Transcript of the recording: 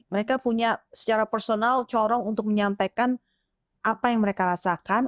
mereka punya secara personal corong untuk menyampaikan apa yang mereka rasakan